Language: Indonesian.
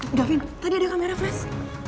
gavin tadi ada kamera flash